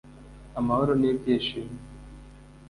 Amahoro n’ibyishimo